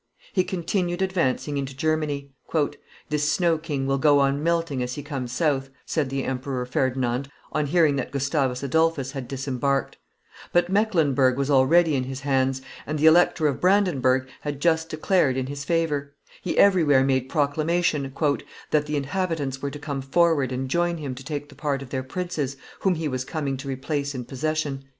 He continued advancing into Germany. "This snow king will go on melting as he comes south," said the emperor, Ferdinand, on hearing that Gustavus Adolphus had disembarked; but Mecklenburg was already in his hands, and the Elector of Brandenburg had just declared in his favor: he everywhere made proclamation, "that the inhabitants were to come forward and join him to take the part of their princes, whom he was coming to replace in possession."